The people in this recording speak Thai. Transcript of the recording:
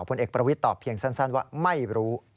ผลเอกประวิทย์ตอบเพียงสั้นว่าไม่รู้